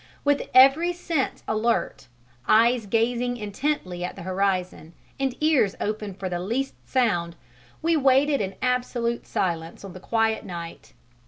With every sense alert, eyes gazing intently at the horizon and ears open for the least sound, we waited in absolute silence in the quiet night.